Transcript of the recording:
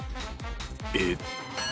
えっと。